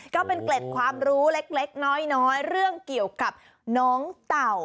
ก็เป็นเกล็ดความรู้เล็กน้อยเรื่องเกี่ยวกับน้องเต่า